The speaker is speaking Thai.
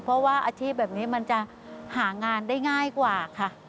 เพราะว่าอาชีพแบบนี้มันจะหางานได้ง่ายกว่าค่ะ